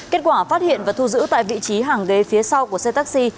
kết quả phát hiện và thu giữ tại vị trí hàng ghế phía sau của xe taxi